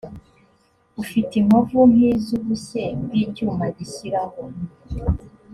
ufite inkovu nk iz ubushye bw icyuma gishyiraho